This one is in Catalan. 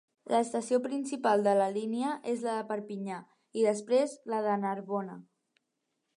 L'estació principal de la línia és la de Perpinyà, i després la de Narbona.